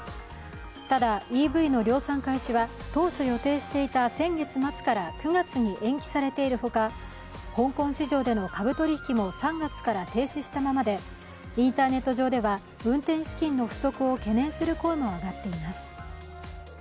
ただＥＶの量産開始は当初予定していた先月末から９月に延期されているほか香港市場での株取引も、３月から停止したままでインターネット上では運転資金の不足を懸念する声も上がっています。